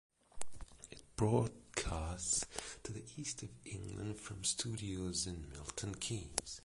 It broadcasts to the East of England from studios in Milton Keynes.